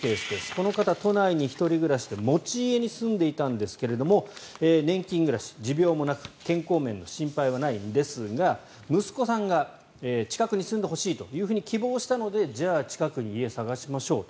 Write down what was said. この方、都内に１人暮らしで持ち家に住んでいたんですが年金暮らし、持病もなく健康面の心配はないんですが息子さんが近くに住んでほしいと希望したのでじゃあ近くに家を探しましょう。